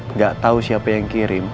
nggak tahu siapa yang kirim